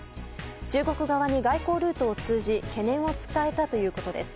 中国側に外交ルートを通じ懸念を伝えたということです。